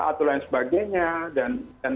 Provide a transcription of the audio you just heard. atau lain sebagainya dan